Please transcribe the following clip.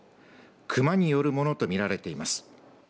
熊によるものと見られています。